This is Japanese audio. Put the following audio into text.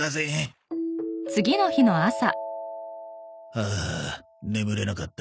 ああ眠れなかった。